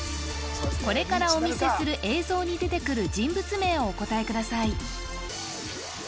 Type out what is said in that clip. これからお見せする映像に出てくる人物名をお答えください